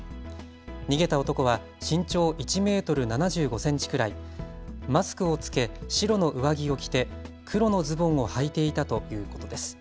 逃げた男は身長１メートル７５センチくらい、マスクを着け白の上着を着て黒のズボンをはいていたということです。